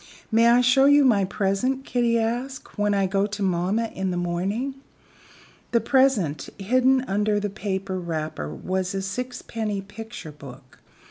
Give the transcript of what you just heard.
"May I show my present," Kitty asked, "when I go to mamma in the morning?" The present hidden under the paper wrapper was a sixpenny picture book.